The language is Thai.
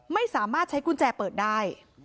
ไม่สามารถใช้กุญแจเปิดได้